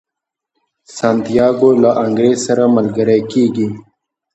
سانتیاګو له انګریز سره ملګری کیږي.